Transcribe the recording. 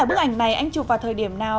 bức ảnh này anh chụp vào thời điểm nào